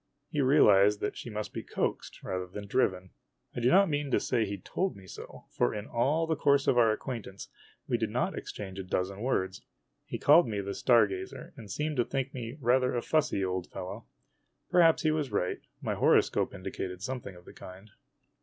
He realized that she must be coaxed rather than driven. I do not mean to say he told me so, for in all the course of our acquaintance we did not exchange a dozen words. He called me the "star gazer," and seemed to think me rather a fussy old fellow. Perhaps he was right, my horoscope indicated something of the kind.